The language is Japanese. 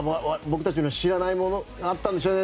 僕たちの知らないものがあったんでしょうね